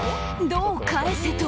どう返せと。